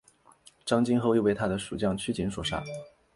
张津后又被他的属将区景所杀。